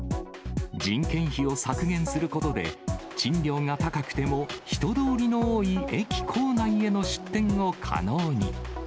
人件費を削減することで、賃料が高くても、人通りの多い駅構内への出店を可能に。